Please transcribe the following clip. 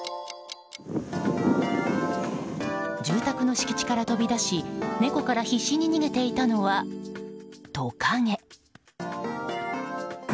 住宅の敷地から飛び出し猫から必死に逃げていたのは、トカゲ。